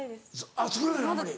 あっ作らないのあんまり。